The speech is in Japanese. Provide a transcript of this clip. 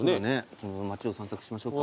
この町を散策しましょうか。